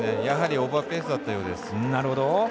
やはりオーバーペースだったようです。